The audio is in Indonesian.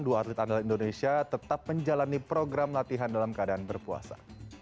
dua atlet andalan indonesia tetap menjalani program latihan dalam keadaan berpuasa